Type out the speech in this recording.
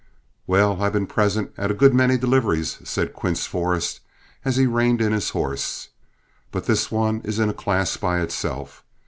"Well, I've been present at a good many deliveries," said Quince Forrest, as he reined in his horse, "but this one is in a class by itself.